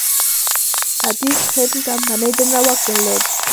ختیځ هند کمپنۍ دومره واک درلود.